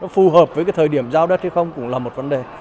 phù hợp với cái thời điểm giao đất hay không cũng là một vấn đề